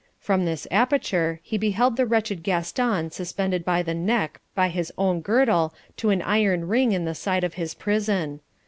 From this aperture he beheld the wretched Gaston suspended by the neck by his own girdle to an iron ring in the side of his prison.